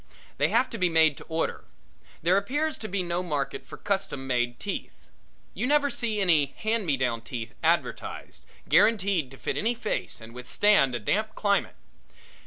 They have to be made to order; there appears to be no market for custom made teeth; you never see any hand me down teeth advertised, guaranteed to fit any face and withstand a damp climate.